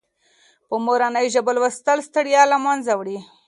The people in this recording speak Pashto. په مورنۍ ژبه لوستل ستړیا له منځه وړي.